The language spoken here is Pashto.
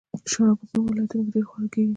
شوروا په کومو ولایتونو کې ډیره خوړل کیږي؟